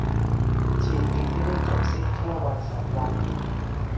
ชีวิตไม่ได้จบสิ้นแค่วันสองวันนี้